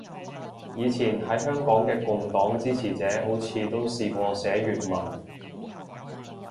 以前喺香港嘅共黨支持者好似都試過寫粵文